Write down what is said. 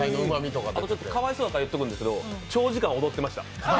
かわいそうだから言っとくんですけど長時間踊ってました。